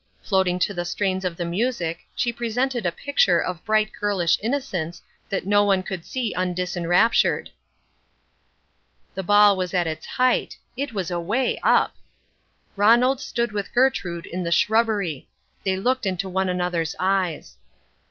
Floating to the strains of the music she presented a picture of bright girlish innocence that no one could see undisenraptured. The ball was at its height. It was away up! Ronald stood with Gertrude in the shrubbery. They looked into one another's eyes.